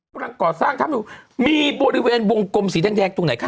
ปรากฏสร้างครับหนูมีบริเวณวงกลมสีแดงตรงไหนครับ